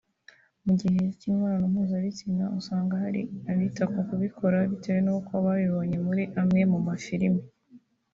Mu gihe cy’imibonano mpuzabitsina usanga hari abita ku kubikora bitewe n’uko babibonye muri amwe mu mafirime